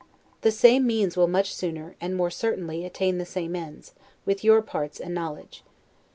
The same means will much sooner, and, more certainly, attain the same ends, with your parts and knowledge.